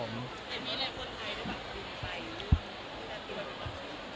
มีคนไทยด้วยหรือเปลี่ยนไทยด้วย